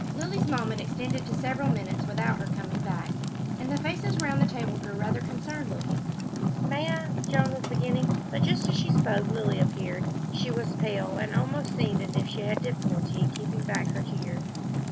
Lilly's moment extended to several minutes without her coming back, and the faces round the table grew rather concerned looking. "May I " Joan was beginning, but just as she spoke Lilly appeared. She was pale, and almost seemed as if she had difficulty in keeping back her tears.